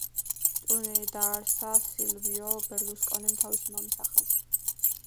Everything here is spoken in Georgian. ტურნირი დააარსა სილვიო ბერლუსკონიმ, თავისი მამის სახელზე.